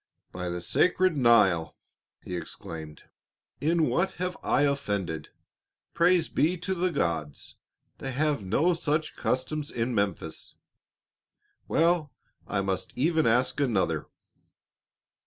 "By the sacred Nile!" he exclaimed, "in what have I offended? Praise be to the gods, they have no such customs in Memphis. Well, I must even ask another."